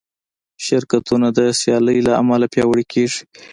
شرکتونه د سیالۍ له امله پیاوړي کېږي.